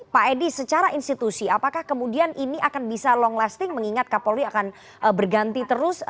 pak edi secara institusi apakah kemudian ini akan bisa long lasting mengingat kapolri akan berganti terus